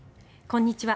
こんにちは。